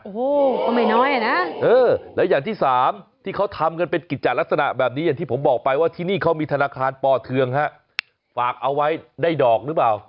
โอ้โหก็ไม่น้อยอ่ะนะเออแล้วอย่างที่สามที่เขาทำกันเป็นกิจจัดลักษณะแบบนี้อย่างที่ผมบอกไปว่าที่นี่เขามีธนาคารปเทืองฮะฝากเอาไว้ได้ดอกหรือเปล่า